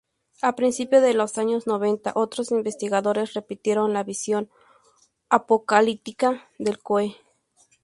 A principio de los años noventa, otros investigadores repitieron la visión apocalíptica de Coe.